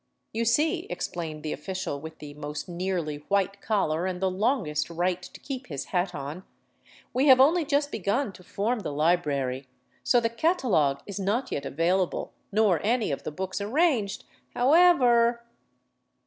" You see," explained the official with the most nearly white collar and the longest right to keep his hat on, " we have only just begun to form the library, so the catalogue is not yet available nor any of the books arranged. However.